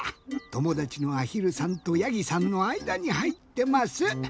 ともだちのあひるさんとやぎさんのあいだにはいってます。